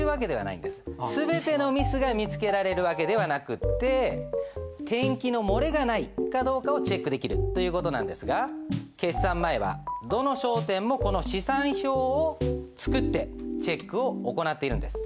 全てのミスが見つけられる訳ではなくって転記の漏れがないかどうかをチェックできるという事なんですが決算前はどの商店もこの試算表を作ってチェックを行っているんです。